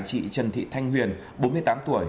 chị trần thị thanh huyền bốn mươi tám tuổi